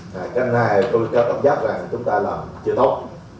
cách này tôi cảm giác rằng chúng ta làm chưa tốt